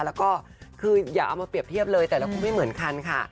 แล้วก็คืออย่าเอามาเปรียบเทียบเลยแต่ละคนไม่เหมือนกันค่ะ